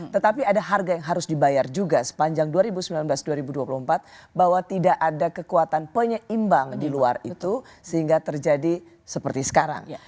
tetapi ada harga yang harus dibayar juga sepanjang dua ribu sembilan belas dua ribu dua puluh empat bahwa tidak ada kekuatan penyeimbang di luar itu sehingga terjadi seperti sekarang